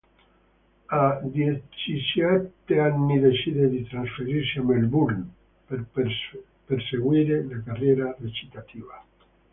A diciassette anni decide di trasferirsi a Melbourne per perseguire la carriera recitativa.